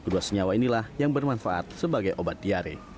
dua senyawa inilah yang bermanfaat sebagai obat diari